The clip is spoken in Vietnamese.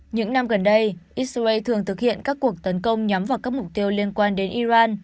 những năm gần đây israel thường thực hiện các cuộc tấn công nhắm vào các mục tiêu liên quan đến iran